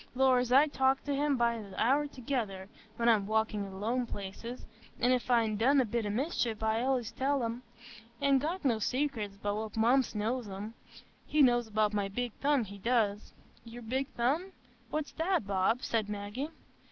Lors, I talk to him by th' hour together, when I'm walking i' lone places, and if I'n done a bit o' mischief, I allays tell him. I'n got no secrets but what Mumps knows 'em. He knows about my big thumb, he does." "Your big thumb—what's that, Bob?" said Maggie.